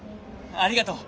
ありがとう！